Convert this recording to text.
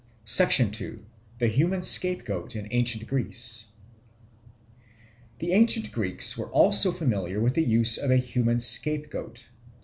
2. The Human Scapegoat in Ancient Greece THE ANCIENT Greeks were also familiar with the use of a human scapegoat.